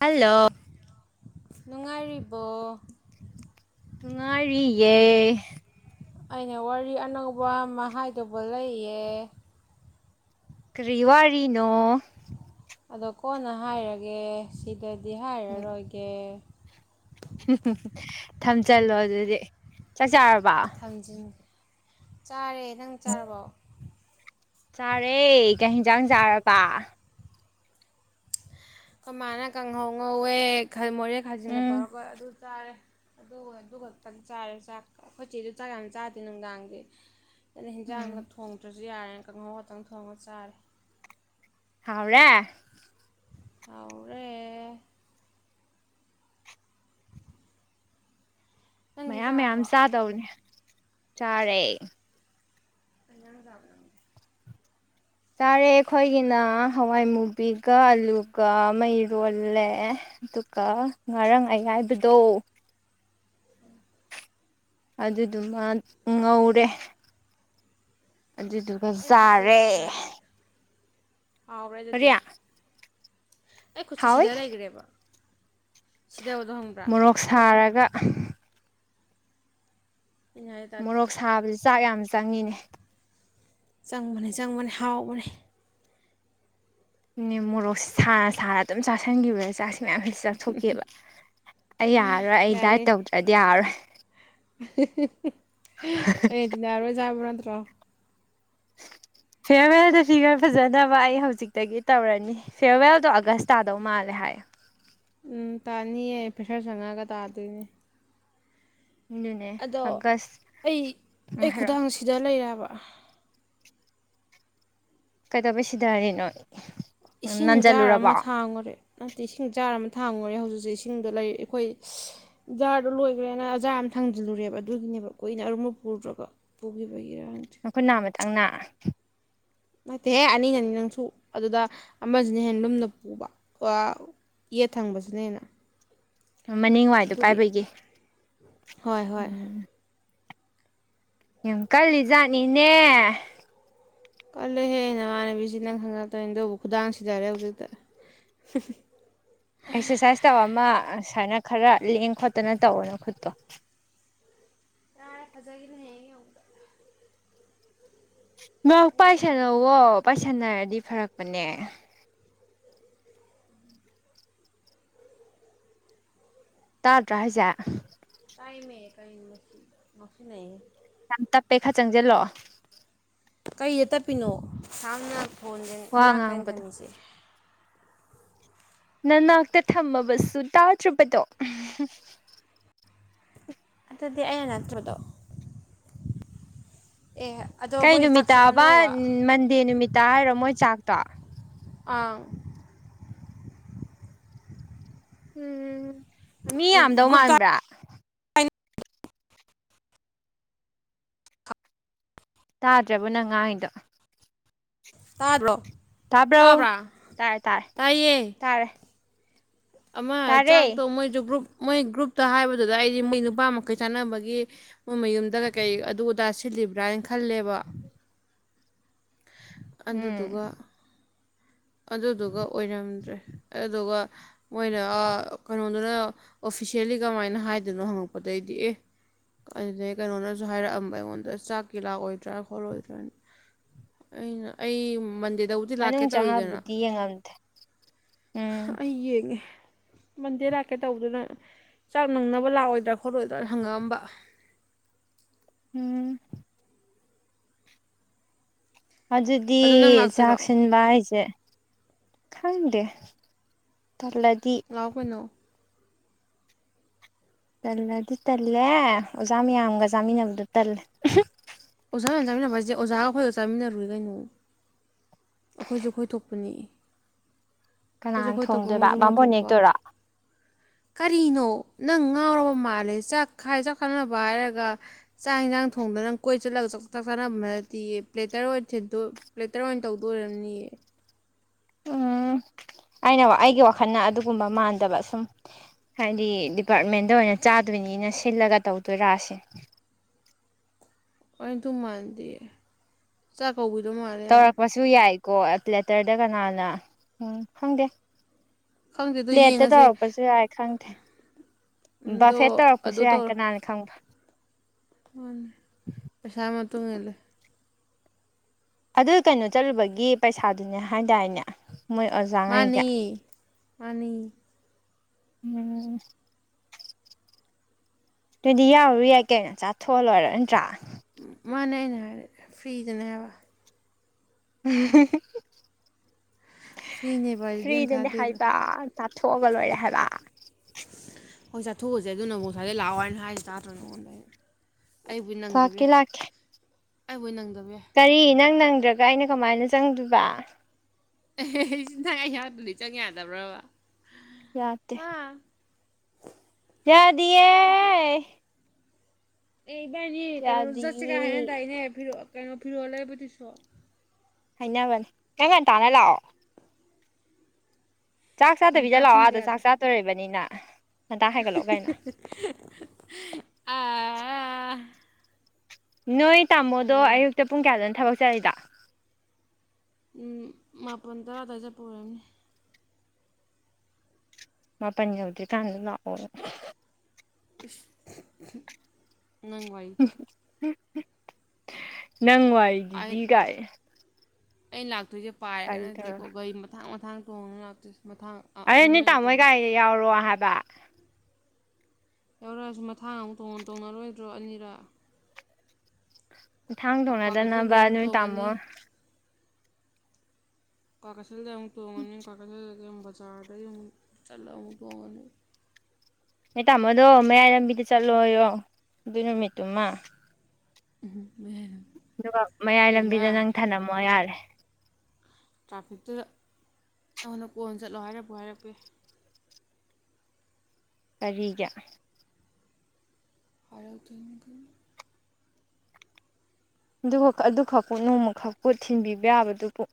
hello ꯅꯨꯡꯉꯥꯏꯔꯤꯕꯣ ꯇꯉꯥꯔꯤꯌꯦ ꯑꯩꯅ ꯋꯥꯔꯤ ꯑꯅꯧꯕ ꯑꯃ ꯍꯥꯏꯗꯧꯕ ꯂꯩꯌꯦ ꯀꯔꯤꯋꯥꯔꯤꯅꯣ ꯑꯗꯣ ꯀꯣꯟꯅ ꯍꯥꯏꯔꯒꯦ ꯁꯤꯗꯗꯤ ꯍꯥꯏꯔꯔꯣꯏꯒꯦ ꯊꯝꯆꯜꯂꯣ ꯑꯗꯨꯗꯤ ꯆꯥꯛ ꯆꯥꯔꯕ ꯊꯝꯖꯤꯟꯒꯦ ꯆꯥꯔꯦ ꯅꯪ ꯆꯥꯔꯕꯥꯎ ꯆꯥꯔꯦꯒ ꯌꯦꯟꯖꯥꯡ ꯆꯥꯔꯕ ꯀ ꯃꯥꯅ ꯀꯥꯡꯪꯍꯧ ꯉꯧꯋꯦ ꯃꯣꯔꯦ ꯎꯝ ꯈꯥꯖꯤꯟꯒꯠꯇꯧꯔꯀꯣ ꯑꯗꯨ ꯆꯥꯔꯦ ꯑꯗꯨꯒ ꯑꯗꯨ ꯈꯛꯇꯪ ꯆꯥꯔꯦ ꯆꯥꯛ ꯑꯩꯈꯣꯏꯆꯦꯗꯨ ꯆꯥꯛ ꯌꯥꯝ ꯆꯥꯗꯦ ꯅꯨꯡꯗꯥꯡꯗꯤ ꯑꯗꯨꯅ ꯍꯤꯟꯖꯥꯡꯗ ꯎꯝ ꯊꯣꯡꯗ꯭ꯔꯁꯨ ꯌꯥꯔꯦꯅ ꯀꯥꯡꯍꯧ ꯉꯥꯛꯇꯪ ꯊꯣꯡꯉ ꯆꯥꯔꯦ ꯍꯥꯎ꯭ꯔꯦ ꯇꯥꯎꯔꯦ ꯅꯪꯗꯤ ꯃꯌꯥꯝ ꯃꯌꯥꯝ ꯆꯥꯔꯕꯣ ꯆꯥꯗꯧꯅꯦ ꯆꯥꯔꯦ ꯑꯩꯅꯅ ꯀꯥ ꯆꯥꯔꯦ ꯑꯩꯈꯣꯏꯒꯤꯅ ꯍꯋꯥꯏ ꯃꯨꯕꯤꯒ ꯑꯂꯨꯒ ꯃꯩꯔꯣꯜꯂꯦ ꯑꯗꯨꯒ ꯉꯔꯥꯡ ꯑ ꯍꯥꯏꯕꯗꯣ ꯑꯗꯨꯗꯨꯃ ꯉꯧꯔꯦ ꯑꯗꯨꯗꯨꯒ ꯑꯩ ꯌꯥꯥꯔꯦ ꯍꯥꯎ꯭ꯔꯦ ꯑꯗꯨꯗ ꯑꯩ ꯈꯨꯠꯆ ꯍꯥꯎꯋꯤ ꯁꯤꯗ ꯂꯩꯈ꯭ꯔꯦꯕ ꯁꯤꯗꯕꯗꯣ ꯍꯪꯕ꯭ꯔꯥ ꯃꯣꯔꯣꯛ ꯁꯥꯔꯒ ꯑꯩꯅ ꯍꯥꯏ ꯇꯥꯔꯗꯤ ꯃꯣꯔꯣꯛ ꯁꯥꯕꯁ ꯆꯥꯛ ꯌꯥꯝ ꯆꯪꯉꯤꯅꯦ ꯆꯪꯕꯅꯤ ꯆꯪꯕꯅꯤ ꯍꯥꯎꯕꯅꯤ ꯃꯣꯔꯣꯛꯁ ꯑꯗꯨꯝ ꯆꯥꯥꯁꯟꯈꯤꯕ ꯆꯁꯤ ꯃꯌꯥꯝꯁꯤ ꯆꯥꯛꯊꯣꯛꯀꯦꯕ ꯑꯩ ꯌꯥꯔꯔꯣꯏ ꯑꯩ ꯗꯥꯏꯠ ꯇꯧꯗ꯭ꯔꯗꯤ ꯌꯥꯔꯔꯣꯏ ꯑꯩꯗꯤꯅꯥꯔꯣꯏꯖꯥꯕ꯭ꯔꯣꯥ ꯅꯠꯇ꯭ꯔꯣ [inaudible] ꯐꯤꯌꯔꯋꯦꯜꯗ ꯁꯤ ꯈꯔ ꯐꯖꯅꯕ ꯑꯩ ꯍꯧꯖꯤꯛꯇꯒꯤ ꯇꯧꯔꯅꯤ ꯐꯤꯌꯔꯋꯦꯜꯗꯣ ꯑꯥꯒꯁ ꯇꯥꯗꯧ ꯃꯥꯜꯂꯦ ꯍꯥꯏ ꯍꯥꯏꯦ ꯎꯝ ꯇꯥꯅꯤꯌꯦ ꯄꯦꯁꯥ ꯆꯪꯉꯛꯑꯒ ꯇꯥꯗꯣꯏꯅꯦ ꯑꯗꯨꯅꯦ ꯑꯗꯣ ꯑꯥꯒꯁ ꯑꯩ ꯎꯝ ꯑꯩ ꯍꯥꯏꯔꯛꯑꯣ ꯈꯨꯗꯥꯡꯁꯤꯗ ꯂꯩꯔꯕ ꯀꯩꯗꯧꯕꯩ ꯁꯤꯗꯔꯤꯅꯣ ꯏꯁꯤꯡ ꯖꯥꯔ ꯅꯟꯖꯜꯂꯨꯔꯕꯣ ꯑꯃ ꯊꯥꯡꯉꯨꯔꯦ ꯅꯠꯇꯦ ꯏꯁꯤꯡ ꯖꯥꯔ ꯑꯃ ꯊꯥꯡꯉꯨꯔꯦ ꯍꯧꯖꯤꯛ ꯍꯧꯖꯤꯛ ꯏꯁꯤꯡꯗꯣ ꯂꯩ ꯑꯩꯈꯣꯏ ꯖꯥꯔꯗꯣ ꯂꯣꯏꯈ꯭ꯔꯦꯅ ꯖꯥꯔ ꯊꯥꯡꯖꯤꯜꯂꯨꯔꯦꯕ ꯑꯗꯨꯒꯤꯅꯦꯕ ꯀꯨꯏꯅ ꯑꯔꯨꯝꯕ ꯄꯨꯔꯗ꯭ꯔꯒ ꯄꯨꯈꯤꯕꯒꯤꯔ ꯍꯪꯁ ꯇꯪꯅꯥ ꯅꯇꯦꯍꯦ ꯑꯅꯤ ꯑꯅꯤ ꯅꯪꯁꯨ ꯑꯗꯨꯗ ꯑꯃꯁꯤꯅ ꯍꯦꯟꯂꯨꯝꯅ ꯄꯨꯕ ꯌꯦꯠ ꯊꯪꯕꯁꯤꯅꯦ ꯍꯦꯅ ꯃꯅꯤꯡꯋꯥꯏꯗꯣ ꯄꯥꯏꯕꯒꯤ ꯍꯣꯏ ꯍꯣꯏ ꯎꯝ ꯌꯥꯝꯡ ꯀꯜꯂꯤ ꯖꯥꯠꯅꯤꯅꯦ ꯀꯜꯂꯍꯦ ꯅꯃꯅꯕꯤꯁꯤ ꯅꯪ ꯈꯪꯉꯛꯇꯣꯏꯅꯤ ꯑꯗꯨꯕꯨ ꯈꯨꯗꯥꯡꯁꯤꯗꯔꯦ ꯍꯧꯖꯤꯛꯇ [inaudible] ꯑꯦꯛꯁꯔꯁꯥꯏꯁ ꯇꯧꯕ ꯑꯃ ꯁꯨꯃꯥꯏꯅ ꯈꯔ ꯂꯦꯡ ꯈꯣꯠꯇꯅ ꯇꯧꯅꯨ ꯈꯨꯠꯇꯣ ꯑ ꯐꯖꯒꯤꯅ ꯍꯥꯏ ꯅ ꯁꯨꯃꯥꯏꯅ ꯄꯥꯏꯁꯟꯅꯧꯋꯣ ꯈꯟꯗꯣꯛꯑꯦ ꯄꯥꯏꯁꯟꯅꯔꯗꯤ ꯐꯔꯛꯄꯅꯦ ꯇꯥꯗꯔꯥ ꯍꯥꯏꯁꯦ ꯀꯥꯏꯃꯦ ꯀꯥꯏ ꯃꯁꯤ ꯃꯁꯤꯟ ꯌꯥꯝ ꯇꯞꯄꯦ ꯈꯔ ꯆꯪꯁꯤꯜꯂꯛꯑꯣ ꯀꯩꯗ ꯇꯞꯄꯤꯅꯣ ꯁꯥꯝꯅ ꯌꯥꯗꯔꯦ ꯐꯣꯟꯁꯦ ꯋꯥ ꯏꯅꯥꯛ ꯇꯥꯅꯦ ꯉꯥꯡꯕꯗꯣ ꯊꯝꯃꯤꯁꯦ ꯅꯅꯥꯛꯇ ꯊꯝꯃꯕꯁꯨ ꯇꯥꯗꯔ꯭ꯕꯗꯣ ꯑꯗꯨꯗꯤ ꯑꯅꯥ ꯅꯠꯇ꯭ꯔꯕꯗꯣ ꯀꯩ ꯅꯨꯃꯤꯠꯇꯕ ꯃꯟꯗꯦ ꯅꯨꯃꯤꯠꯇ ꯍꯥꯏꯔꯣ ꯃꯣꯏ ꯆꯥꯛꯇꯣ ꯑꯪ ꯎꯝ ꯃꯤ ꯌꯥꯝꯗꯧ ꯒ꯭ꯔꯨꯞꯇ ꯃꯥꯟꯕ꯭ꯔꯥ ꯇꯥꯗꯔ꯭ꯦꯕꯣ ꯅꯪ ꯉꯥꯥꯡꯂꯤꯗꯣ ꯇꯥꯕ꯭ꯔꯣ ꯇꯥꯕ꯭ꯔꯥ ꯇꯥꯔꯦ ꯇꯥꯔꯦ ꯇꯥꯏꯌꯦ ꯇꯥꯔꯦ ꯑꯃ ꯇꯥꯔꯦ ꯆꯥꯛꯇꯣ ꯃꯣꯏꯁꯨ ꯒ꯭ꯔꯨꯞ ꯃꯣꯏ ꯒ꯭ꯔꯨꯞꯇ ꯍꯥꯏꯕꯗꯨꯗ ꯑꯩꯗꯤ ꯃꯣꯏ ꯅꯨꯄꯥ ꯃꯈꯩ ꯆꯥꯟꯅꯕꯒꯤ ꯃꯣꯏ ꯃꯌꯨꯝꯗ ꯀꯩ ꯀꯩ ꯑꯗꯨ ꯑꯗꯥ ꯁꯤꯜꯂꯤ ꯕ꯭ꯔꯥ ꯍꯥꯏꯅ ꯈꯜꯂꯦꯕ ꯎꯝ ꯑꯗꯨꯗꯨꯒ ꯑꯗꯨꯗꯨꯒ ꯑꯣꯏꯔꯝꯗ꯭ꯔꯦ ꯑꯗꯨꯒ ꯃꯣꯏꯅ ꯀꯩꯅꯣꯗꯨꯅ ꯑꯣꯐꯤꯁꯦꯜꯂꯤ ꯀꯃꯥꯏꯅ ꯍꯥꯏꯗꯣꯏꯅꯣ ꯍꯪꯉꯛꯄꯗꯩꯗꯤ ꯑꯦ ꯑꯗꯨꯗꯒꯤ ꯀꯩꯅꯣꯅꯁꯨ ꯍꯥꯏꯔꯛꯑꯝꯕ ꯑꯩꯉꯣꯟꯗ ꯆꯥꯛꯀꯤ ꯂꯥꯛꯑꯣꯏꯗ꯭ꯔꯥ ꯈꯣꯜꯂꯣꯏꯗ꯭ꯔꯥꯅ ꯑꯩꯅ ꯑꯩ ꯗꯕꯨꯗꯤ ꯂꯥꯛꯀꯦ ꯃꯅꯨꯡ ꯇꯧꯔꯤꯗꯅ ꯆꯪꯉꯕꯨꯗꯤ ꯌꯦꯡꯉꯝꯗꯦ ꯎꯝ ꯑꯩ ꯌꯦꯡꯉꯦ ꯃꯟꯗꯦ ꯂꯥꯛꯀꯦ ꯇꯧꯕꯗꯨꯅ ꯆꯥꯛ ꯅꯪꯅꯕ ꯂꯥꯛꯑꯣꯏꯗ꯭ꯔꯥ ꯈꯣꯠꯂꯣꯏꯗ꯭ꯔꯥꯅ ꯍꯪꯉꯛꯑꯝꯕ ꯎꯝ ꯑꯗꯨꯗꯤ ꯑꯗꯣ ꯅꯪ ꯂꯥꯛꯇꯣꯏꯔꯣ ꯆꯥꯛꯁꯤꯟꯕ ꯍꯥꯏꯁꯦ ꯈꯪꯗꯦ ꯇꯜꯂꯥꯗꯤ ꯂꯥꯛꯑꯣ ꯀꯩꯅꯣ ꯇꯜꯂꯗꯤ ꯇꯜꯂꯦ ꯑꯣꯖꯥ ꯃꯌꯥꯝꯒ ꯆꯥꯃꯤꯟꯅꯕꯗꯣ ꯇꯜꯂꯦ ꯑꯣꯖꯥꯒ ꯑꯣꯏꯅ ꯆꯥꯃꯤꯟꯅꯕ ꯍꯥꯏꯁꯦ ꯑꯣꯖꯥꯒ ꯑꯩꯈꯣꯏꯒ ꯆꯥꯃꯤꯟꯅꯔꯨꯏ ꯀꯩꯅꯣ ꯑꯩꯈꯣꯏꯁꯨ ꯑꯩꯈꯣꯏ ꯊꯣꯛꯄꯅꯤ ꯈꯣꯏꯁꯨ ꯀꯅꯥꯅ ꯈꯣꯏ ꯊꯣꯛꯄ ꯊꯣꯡꯗꯣꯏꯕ ꯃꯣꯏꯁꯨ ꯃꯣꯏ ꯕꯥꯃꯣꯟ ꯊꯣꯛꯄ ꯅꯦꯛꯇꯣꯏꯔꯣ ꯀꯔꯤꯅꯣ ꯅꯪ ꯉꯥꯎꯔꯕ ꯃꯥꯜꯂꯦ ꯆꯥꯛ ꯈꯥꯏ ꯆꯥꯎꯈꯠꯅꯕ ꯍꯥꯏꯔꯒ ꯆꯥꯛ ꯌꯦꯟꯁꯥꯡ ꯊꯣꯡꯗꯅ ꯅꯪ ꯀꯣꯏ ꯆꯠꯂꯒ ꯥ ꯆꯥꯛ ꯆꯥꯅꯅꯗꯤ ꯄ꯭ꯂꯦꯇꯔ ꯑꯣꯏꯅ ꯄ꯭ꯂꯦꯇꯔ ꯑꯣꯏꯅ ꯇꯧꯗꯣꯏꯔꯝꯅꯤꯌꯦ ꯎꯝ ꯑꯩꯅ ꯑꯩꯒꯤ ꯋꯥꯈꯜꯅ ꯑꯗꯨꯒꯨꯝꯕ ꯃꯥꯟꯗꯕ ꯁꯨꯝ ꯍꯥꯏꯗꯤ ꯗꯤꯄꯥꯔꯠꯃꯦꯟꯗ ꯑꯣꯏꯅ ꯆꯥꯗꯣꯏꯅꯤꯅ ꯁꯤꯜꯂꯒ ꯇꯧꯗꯣꯏꯔ ꯁꯤꯅꯦ ꯑꯩ ꯑꯗꯨꯝ ꯃꯥꯥꯟꯗꯦ ꯆꯥꯛ ꯀꯧꯕꯤꯗꯧ ꯃꯥꯜꯂꯦ ꯌꯥꯝ ꯀꯣ ꯂꯦꯇꯔꯗ ꯀꯅꯥꯅ ꯎꯝ ꯈꯪꯗꯦ ꯈꯪꯗꯦ ꯑꯗꯣ ꯂꯦꯠꯇ ꯌꯦꯡꯉꯁꯦ ꯇꯧꯔꯛꯄꯁꯨ ꯌꯥꯏ ꯈꯪꯗꯦ ꯑꯗꯣ ꯕꯐꯦꯠ ꯇꯧꯔꯛꯄꯁꯨ ꯑꯗꯨ ꯌꯥꯏ ꯇꯧꯔꯣ ꯀꯅꯥꯅ ꯈꯪꯕ ꯎꯝ ꯎꯝ ꯑꯗꯨ ꯀꯩꯅꯣ ꯆꯠꯂꯨꯕꯒꯤ ꯄꯩꯁꯥꯗꯨꯅꯦ ꯍꯥꯏꯗꯥꯏꯅꯦ ꯃꯣꯏ ꯑꯣꯖꯥꯉꯩꯒꯤ ꯃꯅꯦ ꯎꯝ ꯑꯗꯨꯗꯤ ꯌꯥꯎꯔꯨ ꯌꯥꯏ ꯀꯩꯅꯣ ꯆꯠꯍꯣꯛꯑꯥ ꯂꯣꯏꯔꯦ ꯅꯠꯇ꯭ꯔꯥ ꯃꯥꯅꯦ ꯑꯩꯅꯥ ꯍꯥꯏꯖꯦ ꯐꯔꯤꯗꯅꯦꯕ ꯗ ꯐ꯭ꯔꯤꯅꯦꯕ ꯑꯩꯗꯤ ꯑꯝ ꯐ꯭ꯔꯤꯗꯅꯦ ꯊꯥꯗꯦꯗꯣ ꯍꯥꯏꯕ ꯆꯥꯊꯣꯛꯑꯒ ꯂꯣꯏꯔꯦ ꯍꯥꯏꯕ ꯍꯣꯏ ꯆꯥꯊꯣꯛꯎꯁꯦ ꯑꯗꯨ ꯅꯕꯨ ꯉꯥꯁꯥꯏꯗꯩ ꯂꯥꯛꯑꯣꯅ ꯍꯥꯏꯁꯦ ꯇꯥꯗꯔꯣ ꯅꯉꯣꯟꯗ ꯑꯩꯕꯨ ꯅꯪꯗꯕ ꯂꯥꯛꯀꯦ ꯌꯥꯏ ꯂꯥꯛꯀꯦ ꯑꯩꯕꯨ ꯅꯪꯗꯕ ꯌꯥꯏ ꯀꯔꯤ ꯅꯪ ꯅꯪꯗ꯭ꯔꯒ ꯑꯩꯅ ꯀꯃꯥꯏꯅ ꯆꯪꯗꯣꯏꯕ ꯑꯦ ꯅꯪ ꯑꯩ ꯌꯥꯎꯗꯔ꯭ꯗꯤ ꯆꯪꯕꯥ ꯌꯥꯗꯕꯔ꯭ꯕ ꯌꯥꯗꯦ ꯌꯥꯗꯤꯌꯦ ꯌꯥꯗꯦ ꯑꯦ ꯏꯕꯥꯏꯅꯤ ꯀꯩꯅꯣ ꯆꯠꯁꯤꯒ ꯌꯥꯗꯤꯌꯦ ꯍꯥꯏꯅꯗꯥꯏꯅꯦ ꯐꯤꯔꯣ ꯀꯩꯅꯣ ꯐꯤꯔꯣꯜ ꯂꯩꯕꯗꯨꯁꯨ ꯍꯥꯏꯅꯕꯟ ꯅꯪ ꯉꯟꯇꯥꯅ ꯂꯥꯛꯑꯣ ꯆꯥꯛ ꯆꯥꯗꯕꯤꯗ ꯉꯟꯇꯥ ꯂꯥꯛꯑꯣ ꯄꯨꯡ ꯑꯥꯗ ꯆꯥꯛ ꯀꯌꯥꯗ ꯆꯥꯗꯣꯔꯤꯕꯅꯤꯅ ꯉꯟꯇꯥ ꯍꯥꯏꯒꯠꯂꯛꯑꯣ ꯀꯩꯅꯣ ꯑꯥ ꯅꯣꯏ ꯇꯥꯃꯣꯗꯣ ꯍꯥꯏꯒꯠꯂꯦ ꯑꯌꯨꯛꯇ ꯄꯨꯡ ꯀꯌꯥꯗꯅꯣ ꯊꯕꯛ ꯆꯠꯂꯤꯗꯣ ꯎꯝ ꯃꯄꯟ ꯇꯔꯥ ꯑꯗꯥꯏ ꯆꯠꯄ ꯑꯣꯏꯔꯝꯅꯤ ꯃꯥꯄꯟ ꯌꯧꯗ꯭ꯔꯤ ꯀꯥꯟꯗ ꯂꯥꯛꯑꯣ ꯏꯁ ꯍꯝ ꯍꯝ ꯅꯪꯋꯥꯏꯗꯣ ꯅꯪ ꯋꯥꯔꯤꯗꯨꯗꯤ ꯀꯥꯏ ꯑꯩ ꯂꯥꯛꯇꯣꯏꯁꯦ ꯄꯥꯏꯔꯒ ꯅꯠꯇꯦꯀꯣ ꯇꯧꯔ ꯒꯥꯔꯤ ꯃꯊꯥꯡ ꯃꯊꯥꯡ ꯇꯣꯡꯉ ꯂꯥꯛꯇꯣꯏꯁꯦ ꯃꯊꯥꯡ ꯑꯩ ꯅꯣꯏ ꯑꯅꯤꯔꯛ ꯇꯥꯃꯣꯏ ꯒꯥꯔꯤꯗ ꯇꯣꯡꯗꯣꯏꯁꯦ ꯌꯥꯎꯔꯣ ꯍꯥꯏꯕ ꯌꯥꯎꯔꯛꯑꯁꯨ ꯃꯊꯥꯡ ꯑꯃꯨꯛ ꯇꯣꯡꯅ ꯇꯣꯡꯅꯔꯣꯏꯗ꯭ꯔꯣ ꯑꯅꯤꯔꯛ ꯃꯊꯥꯡ ꯀ꯭ꯋꯥ ꯇꯣꯡꯅꯗꯅꯕ ꯀꯩꯊꯦꯜꯗꯩ ꯑꯃꯨꯛ ꯅꯣꯏ ꯇꯥꯃꯣ ꯇꯣꯡꯉꯅꯤ ꯀ꯭ꯋꯥꯛꯀꯩꯊꯦꯜꯗꯩ ꯑꯃꯨꯛ ꯇꯣꯡꯉꯅꯤ ꯀꯋꯥ꯭ꯛꯀꯩꯊꯦꯜ ꯕꯖꯥꯔꯗꯩ ꯑꯃꯨꯛ ꯆꯠꯂ ꯑꯃꯨꯛ ꯇꯣꯡꯉꯅꯤ ꯅꯣꯏ ꯇꯥꯃꯣꯗꯣ ꯃꯌꯥꯏ ꯂꯝꯕꯤꯗ ꯆꯠꯂꯣꯏꯌꯣ ꯑꯗꯨ ꯅꯨꯃꯤꯠꯇꯨꯃ ꯎꯝ ꯑꯗꯨꯒ ꯃꯌꯥꯏ ꯂꯝꯕꯤꯗ ꯅꯪ ꯊꯅꯝꯃꯣ ꯌꯥꯔꯦ ꯇ꯭ꯔꯥꯐꯤꯛꯇꯨꯗ ꯑꯩꯉꯣꯟꯗ ꯀꯣꯟ ꯆꯠꯂꯣ ꯍꯥꯏꯔꯛꯄꯨ ꯍꯥꯏꯔꯛꯄ ꯌꯥꯏ ꯀꯔꯤꯒꯤ ꯍꯥꯏꯔꯛ ꯊꯟ ꯒꯟ [unintelligible] ꯑꯗꯨꯒ ꯑꯗꯨꯈꯛꯄꯨ ꯅꯣꯡꯃꯈꯛꯄꯨ ꯊꯤꯟꯕꯤꯕ ꯌꯥꯕꯗꯨꯕꯨ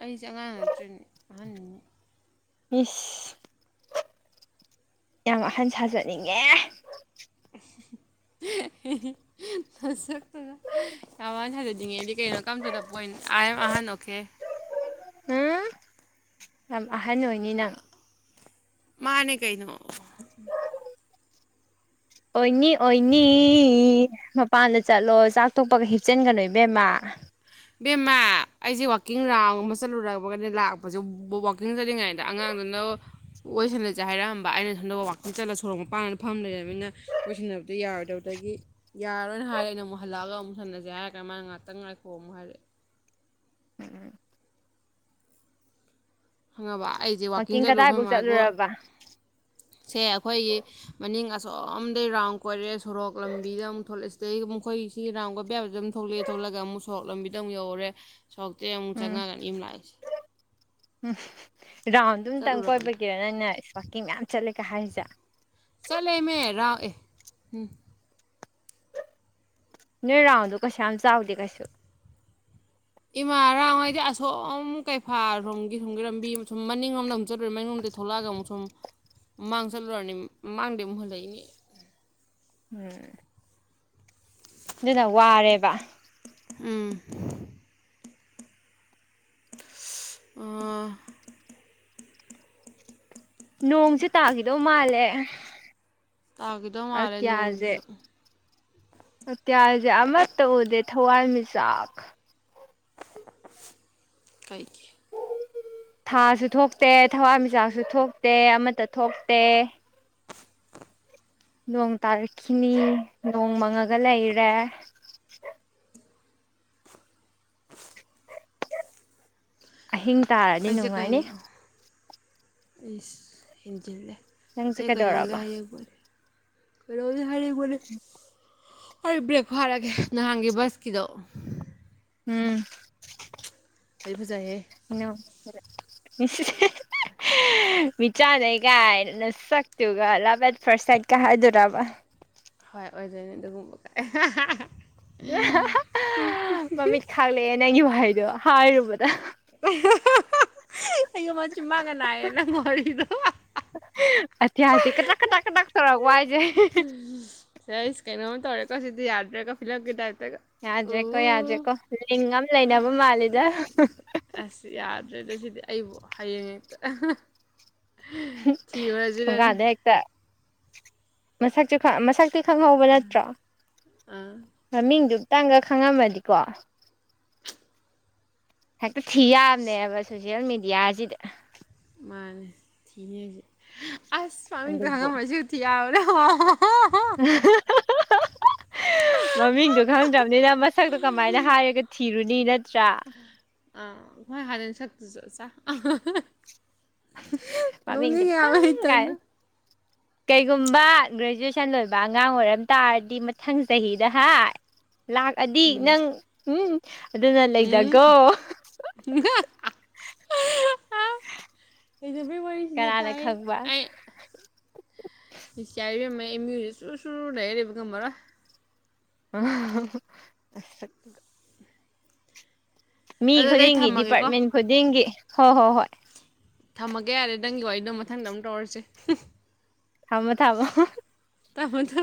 ꯑꯩꯖꯦ ꯑꯉꯥꯡ ꯅꯠꯇ꯭ꯔꯦꯅꯦ ꯑꯍꯟꯅꯤ ꯏꯁ ꯌꯥꯝ ꯑꯍꯟ ꯁꯥꯖꯅꯤꯡꯉꯦ [unintelligible] ꯍꯤ ꯍꯤ ꯃꯁꯛꯇꯨꯒ ꯌꯥꯝ ꯋꯥꯅ ꯁꯥꯖꯅꯤꯡꯉꯦꯗꯤ ꯀꯩꯅꯣ come to the point I am ꯑꯍꯟ ꯑꯣꯀꯦ ꯍꯨꯝ ꯌꯥꯝ ꯑꯍꯟ ꯑꯣꯏꯅꯤ ꯅꯪ ꯃꯥꯅꯦ ꯀꯩꯅꯣ ꯑꯣꯏꯅꯤ ꯑꯣꯏꯅꯤ ꯃꯄꯥꯟꯗ ꯆꯠꯂꯣ ꯆꯥꯛ ꯇꯣꯛꯄꯒ ꯍꯤꯞꯆꯤꯟꯒꯅꯣ ꯏꯕꯦꯝꯃ ꯕꯦꯝꯃ ꯑꯩꯁꯦ ꯋꯥꯛꯀꯤꯡ ꯔꯥꯎꯟ ꯑꯃ ꯆꯠꯂꯨꯔꯕꯒꯅꯦ ꯂꯥꯛꯄꯁꯦ ꯋꯥꯀꯤꯡ ꯆꯠꯂꯤꯉꯩꯗ ꯑꯉꯥꯡꯗꯨ ꯅꯣ ꯋꯥꯏꯁꯥꯅꯖꯦ ꯍꯥꯏꯔꯛꯑꯝꯕ ꯑꯩꯅ ꯁꯣꯝꯗ ꯋꯥꯥꯛꯀꯤꯡ ꯆꯠꯂ ꯁꯣꯔꯣꯛ ꯃꯄꯥꯟꯗ ꯐꯝ ꯂꯩꯔꯕꯅꯤꯅ ꯋꯥꯔꯤꯁꯥꯟꯅꯕꯗꯣ ꯌꯥꯔꯣꯏꯗꯕ ꯑꯗꯒꯤ ꯌꯥꯔꯣꯏꯅ ꯍꯥꯏꯔꯦ ꯑꯩꯅ ꯑꯃꯨꯛ ꯍꯜꯂꯛꯑꯒ ꯑꯃꯨꯛ ꯁꯥꯟꯅꯖꯦ ꯍꯥꯏꯔꯀꯥꯟ ꯃꯥꯅ ꯉꯥꯛꯇꯪ ꯉꯥꯏꯈꯣ ꯑꯃꯨꯛ ꯍꯥꯏꯔꯛꯑꯦ ꯎꯝ ꯍꯪꯉꯕ ꯑꯩꯖꯦ ꯋꯥꯛꯀꯤꯡ ꯆꯠꯂꯨ ꯀꯗꯥꯏꯐꯥꯎ ꯈꯣꯏꯃꯥ ꯒꯨ ꯆꯠꯂꯨꯔꯕ ꯁꯦ ꯑꯩꯈꯣꯏꯒꯤ ꯃꯅꯤꯡ ꯑꯁꯣꯝꯗꯩ ꯔꯥꯎꯟ ꯀꯣꯏꯔꯦ ꯁꯣꯔꯣꯛ ꯂꯝꯕꯤꯗ ꯑꯃꯨꯛ ꯊꯣꯛꯂꯦ ꯗꯩ ꯃꯨꯈꯣꯏ ꯁꯤꯒꯤ ꯔꯥꯎꯟ ꯀꯣꯏꯕꯌꯥꯕꯖꯦ ꯗꯨꯝ ꯊꯣꯛꯂꯛꯑꯦ ꯊꯣꯛꯂꯒ ꯑꯃꯨꯛ ꯁꯣꯔꯣꯛ ꯂꯝꯕꯤꯗ ꯑꯃꯨꯛ ꯌꯧꯔꯦ ꯁꯣꯛꯇꯦ ꯑꯃꯨꯛ ꯎꯝ ꯆꯪꯉꯛꯑꯒ ꯌꯨꯝ ꯂꯥꯛꯏꯁꯦ ꯎꯝ ꯔꯥꯎꯟꯗꯨꯝꯇꯪ ꯆꯠꯂꯨꯔꯕꯅꯦ ꯀꯣꯏꯕꯒꯤꯔ ꯅꯪꯪꯅ ꯋꯥꯛꯀꯤꯡ ꯃꯌꯥꯝ ꯆꯠꯂꯦꯒ ꯍꯥꯏꯔꯤꯁꯦ ꯆꯠꯂꯦꯃꯦ ꯔꯥꯎꯟ ꯑꯦ ꯍꯝ ꯅꯣꯏꯔꯥꯎꯟꯗꯣ ꯀꯩꯁꯨꯌꯥꯝ ꯆꯥꯎꯗꯦ ꯀꯩꯁꯨ ꯏꯃꯥ ꯔꯥꯎꯟ ꯍꯥꯏꯗꯤ ꯑꯁꯣꯝ ꯀꯩꯐꯥ ꯔꯣꯝꯒꯤ ꯂꯝꯕꯤ ꯁꯨꯝ ꯃꯅꯤꯡꯂꯣꯝꯗ ꯑꯃꯨꯛ ꯆꯠꯂꯨꯔꯦ ꯃꯅꯤꯡꯂꯣꯝꯗ ꯊꯣꯛꯂꯛꯑꯒ ꯑꯃꯨꯛ ꯁꯨꯝ ꯃꯃꯥꯡ ꯆꯠꯂꯨꯔꯝꯅꯦ ꯃꯃꯥꯡꯗꯩ ꯑꯃꯨꯛ ꯍꯜꯂꯛꯏꯅꯦ ꯎꯝ ꯑꯗꯨꯅ ꯋꯥꯔꯦꯕ ꯎꯝ ꯑ [inaudible] ꯅꯣꯡꯁꯦ ꯇꯥꯈꯤꯗꯧ ꯃꯥꯜꯂꯦ ꯇꯥꯈꯤꯗꯧ ꯃꯥꯜꯂꯦ ꯑꯇꯤꯌꯥꯁꯦ ꯅꯣꯡꯗꯨꯁꯨ ꯑꯇꯤꯌꯥꯁꯦ ꯑꯃꯠꯇ ꯎꯗꯦ ꯊꯋꯥꯟꯃꯤꯆꯥꯛ ꯀꯥꯏꯒꯤ ꯊꯥꯁꯨ ꯊꯣꯛꯇꯦ ꯊꯋꯥꯟꯃꯤꯆꯥꯛꯁꯨ ꯊꯣꯛꯇꯦ ꯑꯃꯠꯇ ꯊꯣꯛꯇꯦ ꯅꯣꯡ ꯇꯥꯔꯛꯈꯤꯅꯤ ꯅꯣꯡ ꯃꯪꯉꯒ ꯂꯩꯔꯦ ꯑꯍꯤꯡ ꯇꯥꯔꯗꯤ ꯑꯩꯁꯦ ꯅꯨꯡꯉꯥꯏꯅꯤ ꯀꯩꯅꯣ ꯏꯁ ꯏꯦꯟꯖꯤꯜꯂꯦ ꯅꯪꯁꯦ ꯑꯩ ꯀꯩꯅꯣꯝꯗ ꯀꯩꯗꯧꯔꯕ ꯍꯥꯏꯌꯦꯡꯄꯦ ꯈꯣ ꯁꯔꯦ ꯀ ꯍꯣꯏ ꯕ꯭ꯔꯦꯛ ꯐꯥꯔꯒꯦ ꯅꯍꯥꯟꯒꯤ ꯕꯁꯀꯤꯗꯣ ꯎꯝ ꯐꯗꯤ ꯐꯖꯩꯍꯦ ꯏꯩꯅ ꯃꯤꯆꯥꯥꯟꯅꯦꯩꯒꯥꯏꯅ ꯁꯛꯇꯨꯒ ꯂꯚꯦꯟ ꯐꯥꯔꯁ ꯁꯥꯏꯠꯀ ꯍꯥꯏꯗꯣꯔꯕ ꯍꯣꯏ ꯑꯣꯏꯗꯣꯏꯅꯤ ꯑꯗꯨꯒꯨꯝꯕ ꯀ ꯃꯃꯤꯠ ꯈꯥꯛꯂꯛꯑꯦ ꯅꯪꯒꯤ ꯚꯍꯥꯏꯗꯣ ꯍꯥꯏꯔꯨꯕ [inaudible] [unintelligible] ꯑꯩ ꯃ ꯆ ꯃꯒꯅꯅꯥꯑ ꯅ ꯃꯔꯤꯗ ꯑꯇꯤꯌꯥꯁꯦ ꯀꯇ꯭ꯔꯛ ꯀꯇ꯭ꯔꯛ ꯀꯇ꯭ꯔꯛ ꯇꯧꯔꯛꯄ ꯍꯥꯏꯁꯦ ꯁꯁ ꯀꯩꯅꯣꯝ ꯇꯧꯔꯦꯀꯣ ꯁꯤꯗꯤ ꯌꯥꯗ꯭ꯔꯦꯀꯣ ꯐꯤꯂꯝꯒꯦ ꯇꯥꯏ ꯌꯥꯗ꯭ꯔꯦꯀꯣ ꯌꯥꯗ꯭ꯔꯦꯀꯣ ꯂꯤꯡ ꯑꯃ ꯂꯩꯅꯕ ꯃꯥꯜꯂꯤꯗ ꯑꯗꯨꯗ ꯁꯤꯗꯤ ꯑꯩꯕꯨ ꯍꯌꯦꯡꯉꯦꯛꯇ ꯊꯣꯡꯒꯥꯗ ꯍꯦꯛꯇ ꯃꯁꯛꯁꯨ ꯈ ꯃꯁ ꯈꯪꯍꯧꯕ ꯅꯠꯇ꯭ꯔꯣ ꯑꯥ ꯃꯃꯤꯡꯗꯨ ꯈꯤꯇꯪꯒ ꯈꯪꯉꯝꯃꯗꯤꯀꯣ ꯍꯦꯛꯇ ꯊꯤ ꯌꯥꯝꯕꯅꯦꯕ ꯁ ꯁꯣꯁꯜ ꯃ ꯃꯤꯗꯤꯌꯥꯖꯤꯗ ꯃꯥꯅꯦ ꯊꯤꯉꯁꯦ ꯑꯁ ꯃꯥꯃꯤꯡꯇꯣ ꯑꯗꯨꯕꯨ ꯈꯪꯉꯝꯝꯕꯁꯨ ꯎ ꯊꯤ ꯌꯥꯕ꯭ꯔ ꯃꯃꯤꯡꯗꯣ ꯈꯪꯗ꯭ꯔꯕꯅꯤꯅ ꯗꯤ ꯅꯠꯇ꯭ꯔꯥ ꯑꯥ ꯑꯩꯣꯏ ꯍꯥꯟꯅꯦꯟ ꯁꯛꯇꯨ ꯆꯠ ꯆ ꯃꯃꯤ ꯆꯇꯪꯒꯥꯏ ꯏꯊꯟꯗ ꯀꯩꯒꯨꯝꯕ ꯒ꯭ꯔꯦꯖꯨꯑꯦꯁꯟ ꯂꯣꯏꯕ ꯑꯉꯥꯡ ꯑꯣꯏꯔꯝ ꯇꯥꯔꯗꯤ ꯃꯊꯪ ꯆꯍꯤꯗ ꯍꯥꯏ ꯂꯥꯛꯑꯗꯤ ꯎꯝ ꯅꯪ ꯎꯝ ꯑꯗꯨꯅ ꯎꯝ ꯂꯩꯗꯒꯣ ꯍꯩꯅꯕꯩ ꯋꯥꯔꯤꯁꯤꯗ ꯀꯅꯥꯅ ꯇꯥꯏ ꯈꯪꯕ ꯑꯩ ꯆ ꯁ ꯁꯨꯔ ꯂꯩꯔꯦ ꯀꯃꯔ ꯑ ꯃꯤ ꯑꯗꯨꯗꯤ ꯑꯩ ꯈꯨꯗꯤꯡꯒꯤ ꯊꯝꯃꯒꯦꯀꯣ ꯗꯤꯄꯥꯔꯠꯃꯦꯟ ꯈꯨꯗꯤꯡꯒꯤ ꯍꯣꯏ ꯍꯣꯏ ꯍꯣꯏ ꯊꯝꯃꯒꯦ ꯌꯥꯔꯦ ꯅꯪꯒꯤ ꯋꯥꯔꯤꯗꯣ ꯃꯊꯪꯗ ꯑꯃꯨꯛ ꯇꯧꯔꯁꯦ ꯑꯃ ꯇꯃ ꯇꯥꯃꯣꯗꯣ